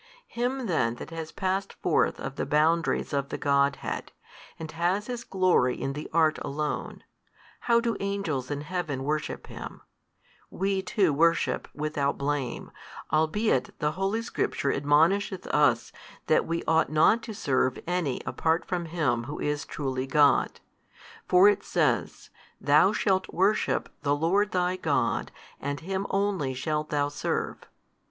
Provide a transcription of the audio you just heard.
Him then that has passed forth of the boundaries of the Godhead, and has his glory in the art alone, how do angels in Heaven worship Him, we too worship without blame, albeit the Holy Scripture admonisheth us that we ought not to serve any apart from Him Who is truly God? for it says, Thou shalt worship the Lord thy God and Him only shalt thou serve.